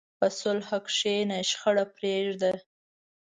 په صلح کښېنه، شخړه پرېږده.